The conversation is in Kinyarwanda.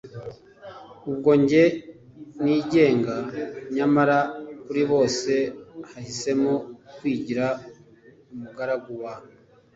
ubwo njye nigenga nyamara kuri bose, nahisemo kwigira umugaragu wa